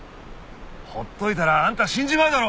ほっといたらあんた死んじまうだろ。